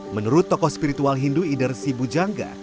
menurut tokoh spiritual hindu idarsibu jangga